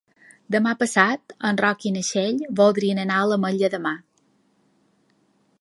Demà passat en Roc i na Txell voldrien anar a l'Ametlla de Mar.